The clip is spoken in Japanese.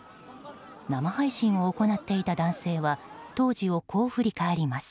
生配信を行っていた男性は当時をこう振り返ります。